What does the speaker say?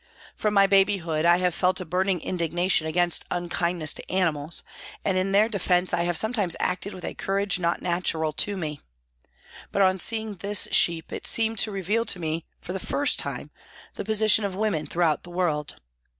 From my babyhood I have felt a burning indignation against unkindness to animals, and in their defence I have sometimes acted with a courage not natural to me. But on seeing this sheep it seemed to reveal to me for the first time the position of women throughout the world.